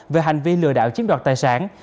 về hành vi lừa đạo chiếm đoạt tài sản